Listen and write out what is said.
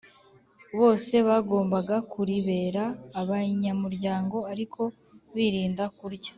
bose bagombaga kuribera abanyamuryango ariko birinda kurya